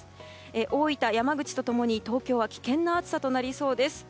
大分、山口と共に東京は危険な暑さとなりそうです。